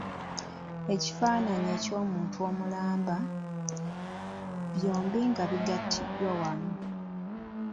Ekifaananyi eky'omuntu omulamba, byombi nga bigattiddwa awamu.